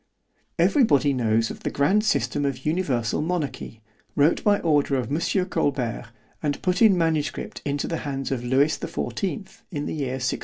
Every body knows of the grand system of Universal Monarchy, wrote by order of Mons. Colbert, and put in manuscript into the hands of Lewis the fourteenth, in the year 1664.